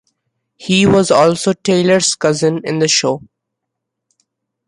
He was also Taylor's cousin in the show.